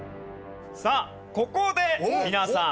さあここで皆さん。